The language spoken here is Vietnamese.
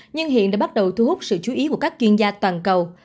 nhưng hiện đã bắt đầu thu hút sự chú ý của các chuyên gia toàn cầu